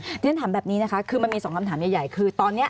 เรียนถามแบบนี้นะคะคือมันมี๒คำถามใหญ่คือตอนนี้